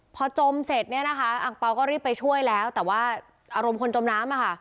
พอจมเสร็จเนี่ยนะคะอังเปล่าก็รีบไปช่วยแล้วแต่ว่าอารมณ์คนจมน้ำอะค่ะ